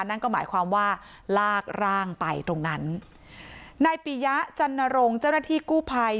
นั่นก็หมายความว่าลากร่างไปตรงนั้นนายปียะจันนรงค์เจ้าหน้าที่กู้ภัย